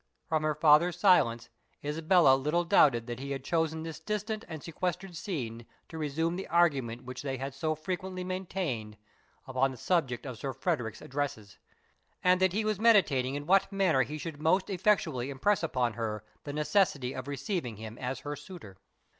From her father's silence, Isabella little doubted that he had chosen this distant and sequestered scene to resume the argument which they had so frequently maintained upon the subject of Sir Frederick's addresses, and that he was meditating in what manner he should most effectually impress upon her the necessity of receiving him as her suitor.